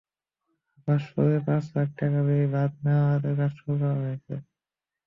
হাবাসপুরে পাঁচ লাখ টাকা ব্যয়ে বাঁধ মেরামতের কাজ শুরু করা হয়েছে।